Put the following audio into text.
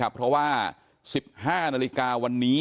เพราะว่า๑๕นวันนี้